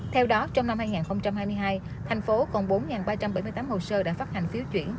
theo đó trong năm hai nghìn hai mươi hai thành phố còn bốn ba trăm bảy mươi tám hồ sơ đã phát hành phiếu chuyển